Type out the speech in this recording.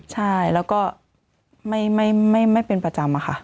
ใช่แล้วก็ไม่เป็นประจำอะค่ะ